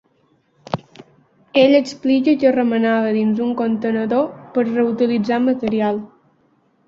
Ell explica que remenava dins un contenidor per reutilitzar material.